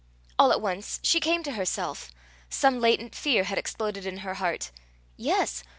All at once she came to herself: some latent fear had exploded in her heart: yes!